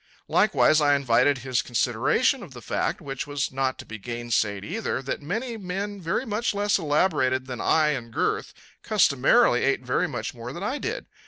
Likewise, I invited his consideration of the fact, which was not to be gainsaid either, that many men very much less elaborated than I in girth customarily ate very much more than I did.